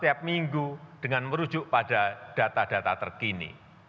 setiap minggu dengan merujuk pada data data terkini